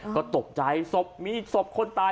ก็ตกใจศพมีศพคนตาย